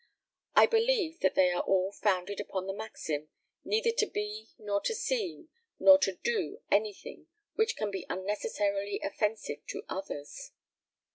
I believe that they are all founded upon the maxim, 'neither to be, nor to seem, nor to do anything, which can be unnecessarily offensive to others.'